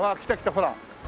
ほら。